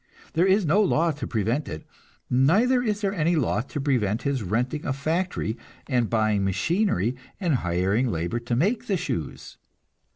There is no law to prevent it, neither is there any law to prevent his renting a factory and buying machinery, and hiring labor to make shoes.